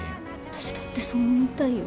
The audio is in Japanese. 私だってそう思いたいよ。